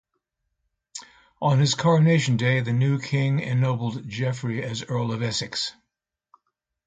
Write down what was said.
On his coronation day the new king ennobled Geoffrey as Earl of Essex.